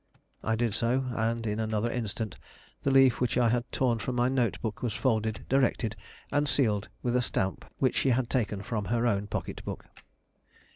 I did so, and in another instant the leaf which I had torn from my note book was folded, directed, and sealed with a stamp which she had taken from her own pocketbook.